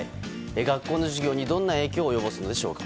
学校の授業にどんな影響を及ぼすのでしょうか。